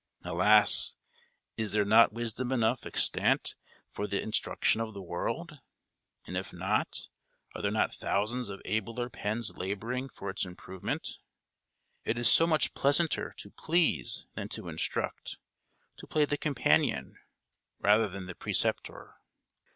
Alas! is there not wisdom enough extant for the instruction of the world? And if not, are there not thousands of abler pens labouring for its improvement? It is so much pleasanter to please than to instruct to play the companion rather than the preceptor.